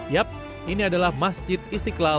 yap ini adalah masjid istiqlal di jakarta pusat